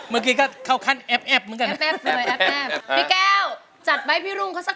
ไม่ช่วยเลย